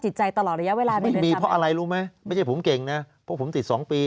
จิตใจตลอดระยะเวลาเพราะอะไรรู้ไหมไม่ผมเก่งนะผมติด๒ปี